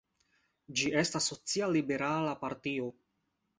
Ĝi estas social-liberala partio.